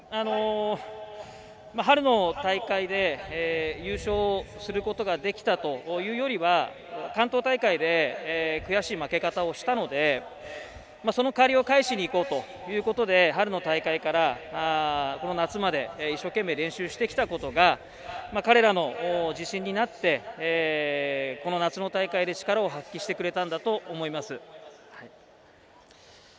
春の大会で優勝することができたというよりは関東大会で悔しい負け方をしたのでその借りを返しにいこうということで春の大会から、この夏まで一生懸命練習してきたことが彼らの自信になってこの夏の大会で力を発揮してくれたんだと思います。